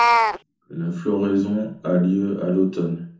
La floraison a lieu à l’automne.